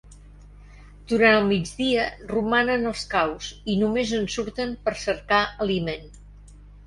Durant el migdia romanen als caus i només en surten per cercar aliment.